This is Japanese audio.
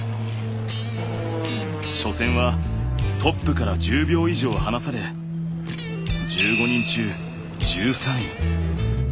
初戦はトップから１０秒以上離され１５人中１３位。